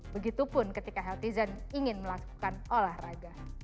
begitupun ketika healthy zen ingin melakukan olahraga